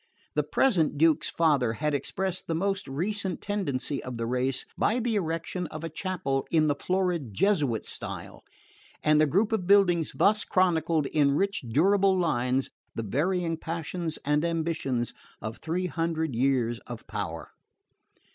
The present Duke's father had expressed the most recent tendency of the race by the erection of a chapel in the florid Jesuit style; and the group of buildings thus chronicled in rich durable lines the varying passions and ambitions of three hundred years of power.